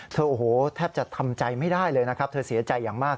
โอ้โหแทบจะทำใจไม่ได้เลยนะครับเธอเสียใจอย่างมาก